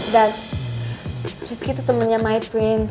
dad rizky tuh temennya my prince